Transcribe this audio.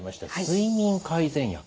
睡眠改善薬。